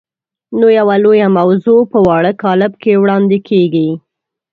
نو یوه لویه موضوع په واړه کالب کې وړاندې کېږي.